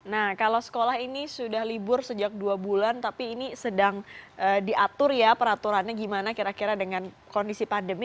nah kalau sekolah ini sudah libur sejak dua bulan tapi ini sedang diatur ya peraturannya gimana kira kira dengan kondisi pandemi